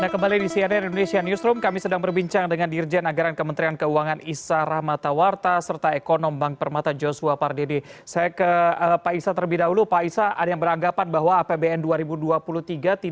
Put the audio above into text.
kasihan indonesia newsroom akan segera kembali